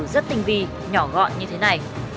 rất tinh vi nhỏ gọn như thế này